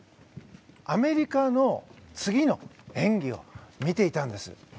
アメリカの次の演技を見ていたんです。